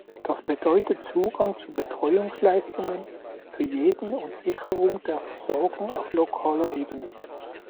Das bedeutet Zugang zu Betreuungsleistungen für jeden und Sicherung der Versorgung auf lokaler Ebene.